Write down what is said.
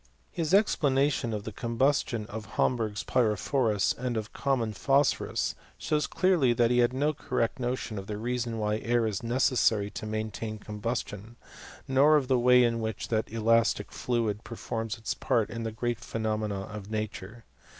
His expla nation of the combustion of Romberg's pyrophoras and of common phosphorus, shows clearly that he had no correct notion of the reason why air is necessary to maintain combustion, nor of the way in which that elastic tluid performs its part in the great phenomena of nature.